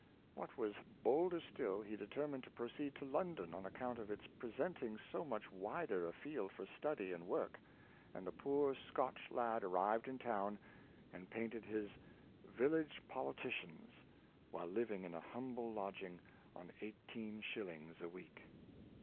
What was bolder still, he determined to proceed to London, on account of its presenting so much wider a field for study and work; and the poor Scotch lad arrived in town, and painted his * 'Village Politicians" while living in a humble lodging on eighteen shillings a week.